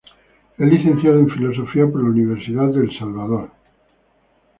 Es Licenciado en Filosofía por la Universidad de El Salvador.